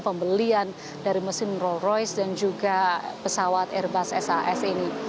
pembelian dari mesin roll royce dan juga pesawat airbus sas ini